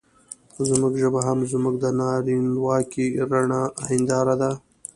زموږ ژبه هم زموږ د نارينواکۍ رڼه هېنداره ده.